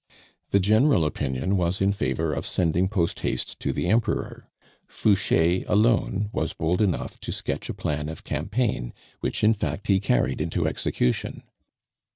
The general opinion was in favor of sending post haste to the Emperor; Fouche alone was bold enough to sketch a plan of campaign, which, in fact, he carried into execution.